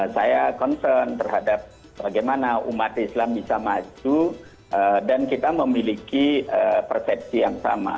saya concern terhadap bagaimana umat islam bisa maju dan kita memiliki persepsi yang sama